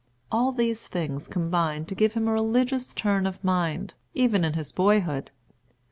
All these things combined to give him a religious turn of mind, even in his boyhood.